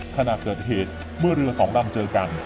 ขณะเกิดเหตุเมื่อเรือสองลำเจอกัน